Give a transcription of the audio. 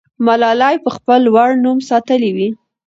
ملالۍ به خپل لوړ نوم ساتلی وي.